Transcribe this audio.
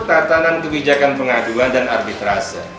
tata dan kebijakan pengaduan dan arbitrasi